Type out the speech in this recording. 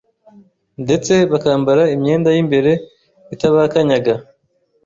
ndetse bakambara imyenda y'imbere itabakanyaga.